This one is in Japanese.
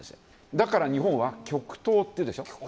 だから日本は極東っていうでしょ。